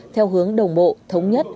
theo hướng đồng bộ thống nhất